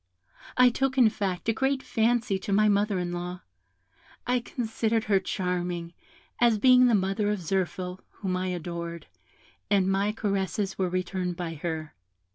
I took, in fact, a great fancy to my mother in law; I considered her charming, as being the mother of Zirphil, whom I adored, and my caresses were returned by her.